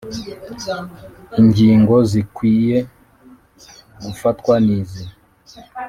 ingingo zikwiye gufatwa nizi